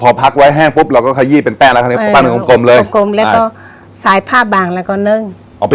อ๋อพอพักไว้แห้งปุ๊บเราก็ขยี้เป็นแป้งแล้วก็เป้ม